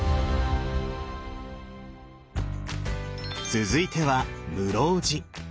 続いては室生寺。